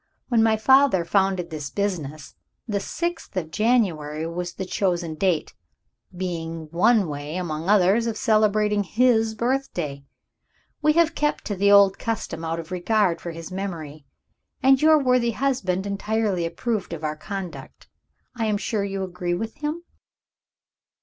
When my father founded this business, the sixth of January was the chosen date being one way, among others, of celebrating his birthday. We have kept to the old custom, out of regard for his memory; and your worthy husband entirely approved of our conduct. I am sure you agree with him?"